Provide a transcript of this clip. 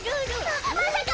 ままさか！？